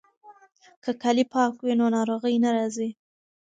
که کالي پاک وي نو ناروغي نه راځي.